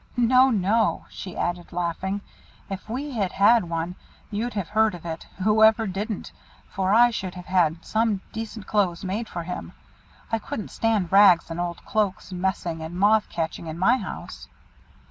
No! no!" she added, laughing, "if we had had one you'd have heard of it, whoever didn't, for I should have had some decent clothes made for him. I couldn't stand rags and old cloaks, messing and moth catching, in my house."